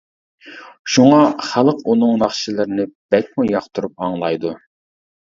شۇڭا، خەلق ئۇنىڭ ناخشىلىرىنى بەكمۇ ياقتۇرۇپ ئاڭلايدۇ.